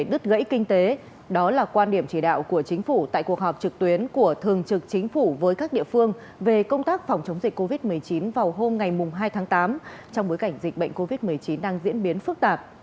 đất gãy kinh tế đó là quan điểm chỉ đạo của chính phủ tại cuộc họp trực tuyến của thường trực chính phủ với các địa phương về công tác phòng chống dịch covid một mươi chín vào hôm ngày hai tháng tám trong bối cảnh dịch bệnh covid một mươi chín đang diễn biến phức tạp